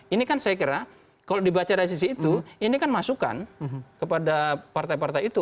ini kan saya kira kalau dibaca dari sisi itu ini kan masukan kepada partai partai itu